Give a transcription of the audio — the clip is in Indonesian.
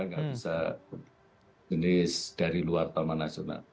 nggak bisa jenis dari luar taman nasional